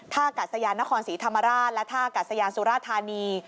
กัดสยานนครศรีธรรมราชและท่ากัดสยานสุราธานี